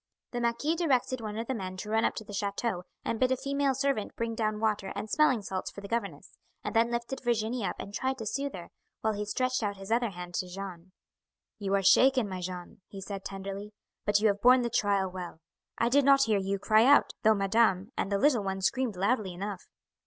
The marquis directed one of the men to run up to the chateau and bid a female servant bring down water and smelling salts for the governess, and then lifted Virginie up and tried to soothe her, while he stretched out his other hand to Jeanne. "You are shaken, my Jeanne," he said tenderly, "but you have borne the trial well. I did not hear you cry out, though madame, and the little one screamed loudly enough."